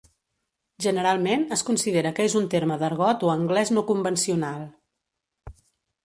Generalment es considera que és un terme d'argot o anglès no convencional.